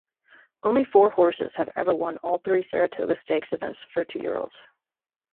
Only four horses have ever won all three Saratoga stakes events for two-year-olds.